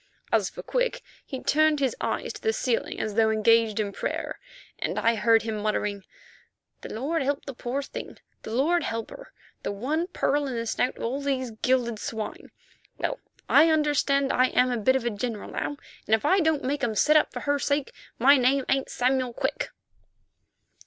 As for Quick, he turned his eyes to the ceiling, as though engaged in prayer, and I heard him muttering: "The Lord help the poor thing, the Lord help her; the one pearl in the snout of all these gilded swine! Well, I understand I am a bit of a general now, and if I don't make 'em sit up for her sake my name ain't Samuel Quick."